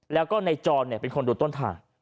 แล้วก็หนอยจอมเป็นคนรวดต้นทา